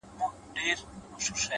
عاجزي د لویوالي نښه ده!